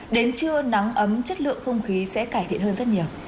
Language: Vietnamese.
đến trưa nắng ấm chất lượng không khí sẽ cải thiện hơn rất nhiều